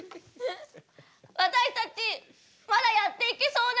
私たちまだやっていけそうな気がする。